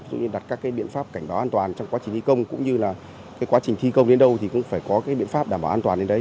ví dụ như đặt các biện pháp cảnh báo an toàn trong quá trình thi công cũng như là quá trình thi công đến đâu thì cũng phải có biện pháp đảm bảo an toàn đến đấy